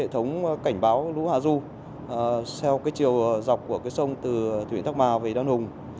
theo chiều dọc của sông từ thủy điện thác bà về đoàn hùng